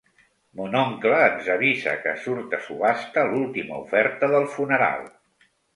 Mon oncle ens avisa que surt a subhasta l'última oferta del funeral.